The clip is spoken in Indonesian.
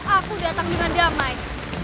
aku datang dengan damai